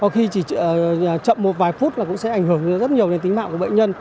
khi chỉ chậm một vài phút cũng sẽ ảnh hưởng rất nhiều đến tính mạng của bệnh nhân